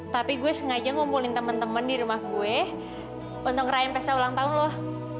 tapi gue sengaja ngumpulin temen temen di rumah gue untuk ryan pesah ulang tahun loh